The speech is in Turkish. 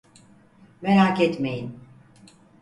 Merak etmeyin.